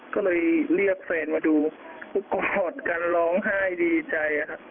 ก็เลยเรียกแฟนมาดูก็กอดกันร้องไห้ดีใจครับ